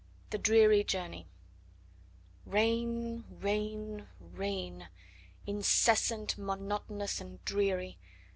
THE DREARY JOURNEY Rain! Rain! Rain! Incessant, monotonous and dreary!